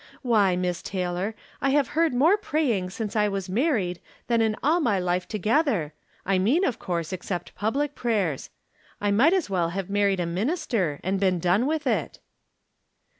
Why, Miss Taylor, I have heard more praj'ing since I was married than in all my life together — I mean, of course, except public prayers. I might as well have married a minister, and been done with it